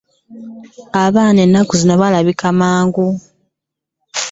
Abaana ennaku zino balabuka mangu.